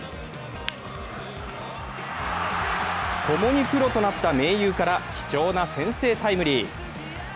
共にプロとなった盟友から貴重な先制タイムリー。